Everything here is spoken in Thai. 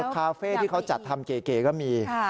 คาเฟ่ที่เขาจัดทำเก๋ก็มี